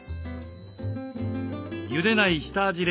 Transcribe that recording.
ゆでない下味冷凍